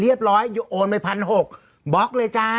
เรียบร้อยโอนไป๑๖๐๐บล็อกเลยจ้า